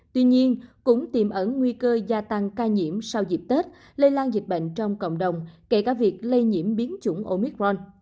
tuy nhiên cũng tiềm ẩn nguy cơ gia tăng ca nhiễm sau dịp tết lây lan dịch bệnh trong cộng đồng kể cả việc lây nhiễm biến chủng omicron